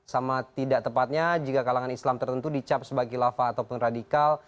sama tidak tepatnya jika kalangan islam tertentu dicap sebagai khilafah ataupun radikal